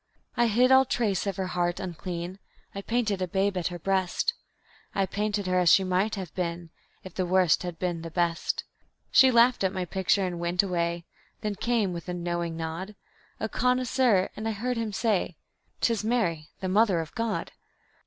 I hid all trace of her heart unclean; I painted a babe at her breast; I painted her as she might have been If the Worst had been the Best. She laughed at my picture and went away. Then came, with a knowing nod, A connoisseur, and I heard him say; "'Tis Mary, the Mother of God."